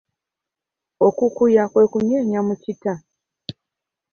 Okukuya kwe kunyenya mu kita.